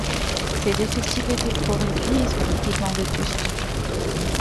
Ses effectifs étaient trop réduits, et son équipement vétuste.